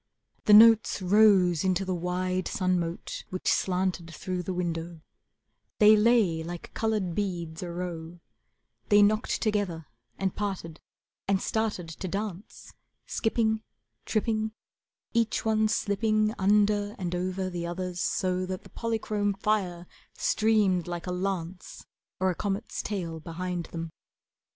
The notes rose into the wide sun mote Which slanted through the window, They lay like coloured beads a row, They knocked together and parted, And started to dance, Skipping, tripping, each one slipping Under and over the others so That the polychrome fire streamed like a lance Or a comet's tail, Behind them.